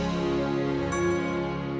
sampai jumpa lagi